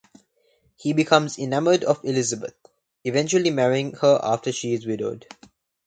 He becomes enamoured of Elizabeth, eventually marrying her after she is widowed.